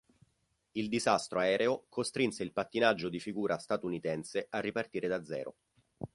Il disastro aereo costrinse il pattinaggio di figura statunitense a ripartire da zero.